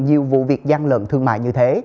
nhiều vụ việc gian lận thương mại như thế